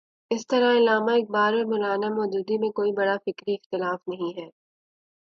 اسی طرح علامہ اقبال اور مو لا نا مو دودی میں کوئی بڑا فکری اختلاف نہیں ہے۔